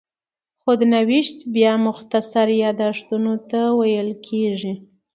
خود نوشت بیا مختصر یادښتونو ته ویل کېږي.